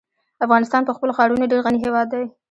افغانستان په خپلو ښارونو ډېر غني هېواد دی.